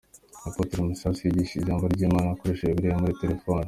Apotre Masasu yigishije ijambo ry’Imana akoresheje Bibiliya yo muri telefone.